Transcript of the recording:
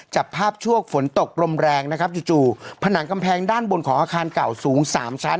จับภาพช่วงฝนตกลมแรงนะครับจู่จู่ผนังกำแพงด้านบนของอาคารเก่าสูงสามชั้น